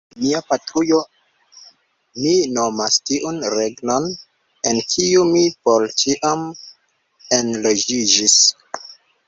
Mia patrujo mi nomas tiun regnon, en kiu mi por ĉiam enloĝiĝis.